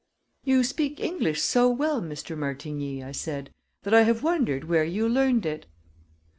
"You speak English so well, Mr. Martigny," I said, "that I have wondered where you learned it."